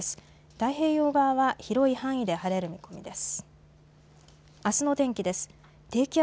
太平洋側は広い範囲で晴れる見込みです。